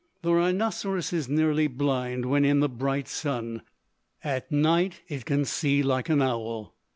The rhinoceros is nearly blind when in the bright sun at night it can see like an owl.